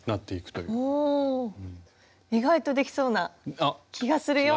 意外とできそうな気がするような。